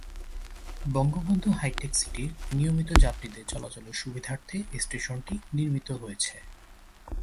Bangabandhu high tech সিটির নিয়মিত যাত্রীদের চলাচলের সুবিধার্থে স্টেশনটি নির্মিত হয়েছে।